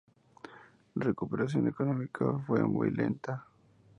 La recuperación económica fue muy lenta.